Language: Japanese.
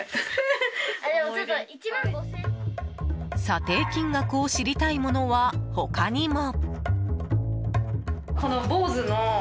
査定金額を知りたいものは他にも。